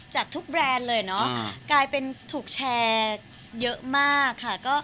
จากทุกแบรนด์เลยเนาะกลายเป็นถูกแชร์เยอะมากค่ะ